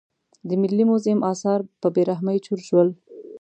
د ملي موزیم اثار په بې رحمۍ چور شول.